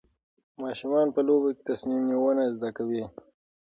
ماشومان په لوبو کې تصمیم نیونه زده کوي.